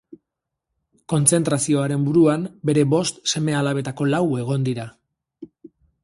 Kontzentrazioaren buruan bere bost seme-alabetako lau egon dira.